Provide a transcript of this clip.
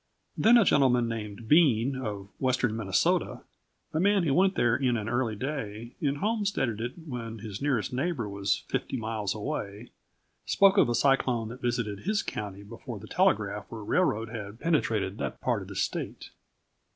Then a gentleman named Bean, of western Minnesota, a man who went there in an early day and homesteaded it when his nearest neighbor was fifty miles away, spoke of a cyclone that visited his county before the telegraph or railroad had penetrated that part of the state.